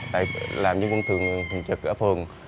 tại làm nhân quân thường trực ở phường